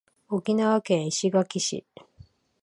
沖縄県石垣市